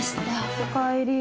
おかえり。